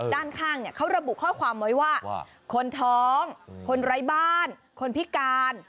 ด้านข้างเขาระบุข้อความไว้ว่าคนท้องคนไร้บ้านคนพิการ